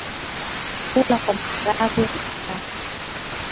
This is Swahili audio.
Kula kwa maharagwe ukitaka.